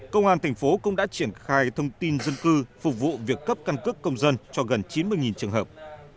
công an thành phố cũng đã triển khai thông tin dân cư phục vụ việc cấp căn cước công dân cho gần chín mươi trường hợp